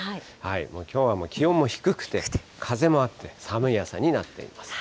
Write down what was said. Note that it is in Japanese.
もうきょうは気温も低くて、風もあって寒い朝になっています。